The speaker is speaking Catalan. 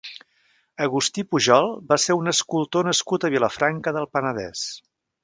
Agustí Pujol va ser un escultor nascut a Vilafranca del Penedès.